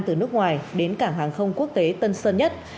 từ nước ngoài đến cảng hàng không quốc tế tân sơn nhất